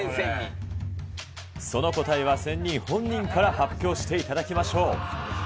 その答えは仙人、本人から発表していただきましょう。